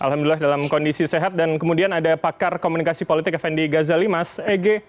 alhamdulillah dalam kondisi sehat dan kemudian ada pakar komunikasi politik fnd ghazali mas ege